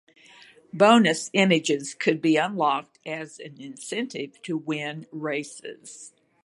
Bonus images could be unlocked as an incentive to win races.